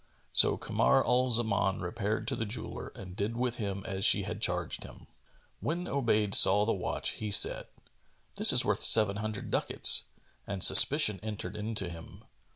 So Kamar al Zaman repaired to the jeweller and did with him as she had charged him. When Obayd saw the watch, he said, "This is worth seven hundred ducats;" and suspicion entered into him.